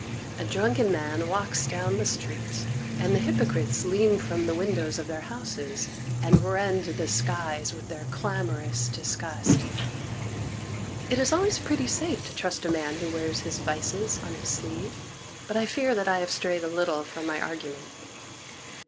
A drunken man walks down the street, and the hypocrites lean from the windows of their houses and rend the skies with their clamorous disgust. It is always pretty safe to trust a man who wears his vices on his sleeve. But I fear that I have strayed a little from my argument.